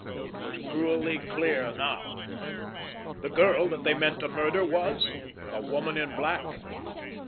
It was cruelly clear now. The girl that they meant to murder was—the Woman in Black.